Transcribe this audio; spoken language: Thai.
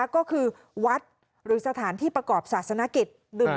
ก็คือวัดหรือสถานที่ประกอบศาสนกิจ